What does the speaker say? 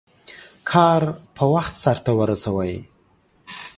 کار په وخت سرته ورسوئ.